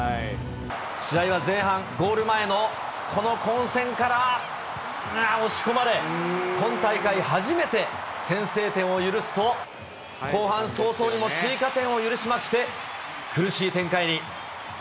試合は前半、ゴール前のこの混戦から押し込まれ、今大会初めて、先制点を許すと、後半早々にも追加点を許しまして、苦しい展開に。